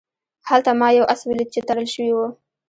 هلته ما یو آس ولید چې تړل شوی و.